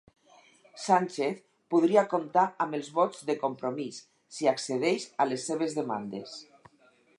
Sánchez podria comptar amb els vots de Compromís si accedeix a les seves demandes